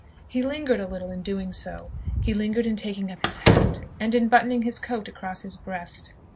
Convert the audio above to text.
He lingered a little in doing so. He lingered in taking up his hat, and in buttoning his coat across his breast.